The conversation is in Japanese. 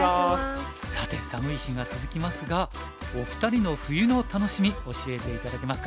さて寒い日が続きますがお二人の冬の楽しみ教えて頂けますか？